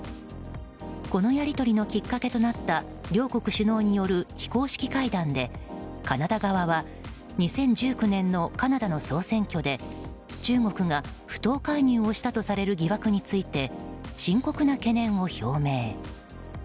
このやり取りのきっかけとなった両国首脳による非公式会談で、カナダ側は２０１９年のカナダの総選挙で中国が不当介入をしたとされる疑惑について深刻な懸念を表明。